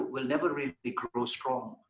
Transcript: tidak akan pernah menjadi kuat